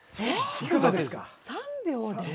３秒で？